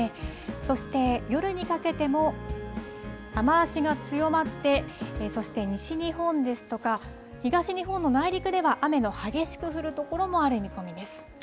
そして夜にかけても雨足が強まって、そして西日本ですとか、東日本の内陸では雨の激しく降る所もある見込みです。